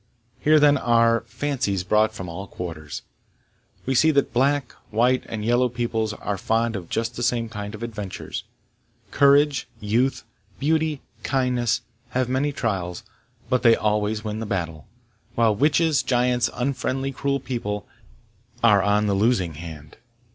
Here, then, are fancies brought from all quarters: we see that black, white, and yellow peoples are fond of just the same kinds of adventures. Courage, youth, beauty, kindness, have many trials, but they always win the battle; while witches, giants, unfriendly cruel people, are on the losing hand.